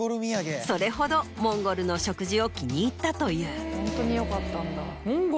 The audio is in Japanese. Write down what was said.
それほどモンゴルの食事を気に入ったという。